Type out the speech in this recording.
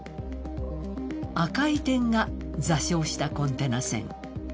赤い点が、座礁したコンテナ船。